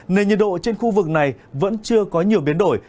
nền nhiệt độ trên khu vực này vẫn chưa có nhiều biến đổi